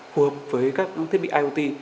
phù hợp với các thiết bị iot